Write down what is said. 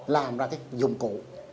làm ra cái dụng cụ